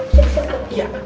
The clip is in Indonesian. jadi sempet dia